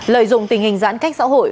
lợi dụng tình hình giãn cách xã hội